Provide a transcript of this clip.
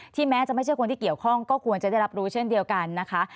แม้จะไม่ใช่คนที่เกี่ยวข้องก็ควรจะได้รับรู้เช่นเดียวกันนะคะ